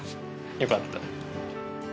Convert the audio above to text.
よかった。